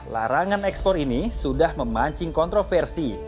larangan ekspor ini sudah memancing kontroversi